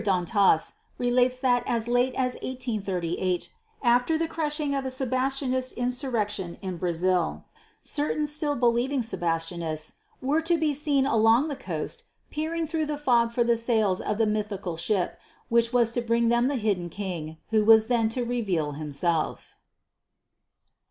d'Antas, relates that as late as 1838, after the crushing of a Sebastianist insurrection in Brazil certain still believing Sebastianists were to be seen along the coast peering through the fog for the sails of the mythical ship which was to bring to them the Hidden King who was then to reveal himself.